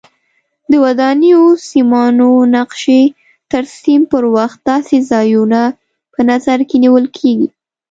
د ودانیو سیمانو نقشې ترسیم پر وخت داسې ځایونه په نظر کې نیول کېږي.